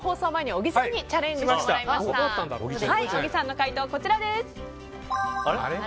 小木さんの回答こちらです。